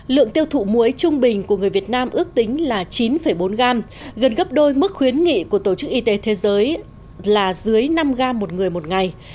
lượng tiêu thụ muối trung bình của người việt nam ước tính là chín bốn gram gần gấp đôi mức khuyến nghị của tổ chức y tế thế giới là dưới năm gram một người một ngày